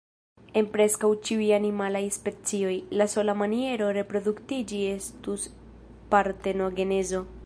En preskaŭ ĉiuj animalaj specioj, la sola maniero reproduktiĝi estus partenogenezo!